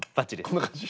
こんな感じ？